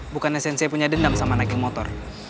bukannya sensei punya dendam sama naging motor